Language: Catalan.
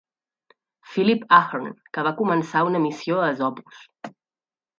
Philip Ahern, que va començar una missió a Esopus.